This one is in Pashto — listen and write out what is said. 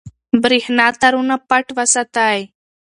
برېښنا تارونه پټ وساتئ.